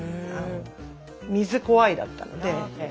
水怖いだったので。